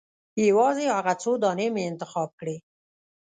یوازې هغه څو دانې مې انتخاب کړې.